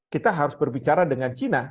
kita harus berbicara dengan cina